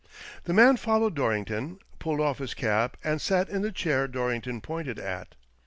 The man followed Dorrington, pulled off his cap, and sat in the chair Dorrington pointed at.